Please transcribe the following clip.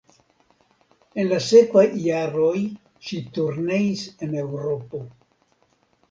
En la sekvaj jaroj ŝi turneis en Eŭropo.